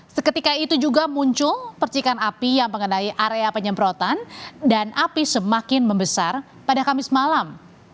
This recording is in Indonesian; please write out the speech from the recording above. seketika itu juga muncul percikan api yang mengenai area penyemprotan dan api semakin membesar pada kamis malam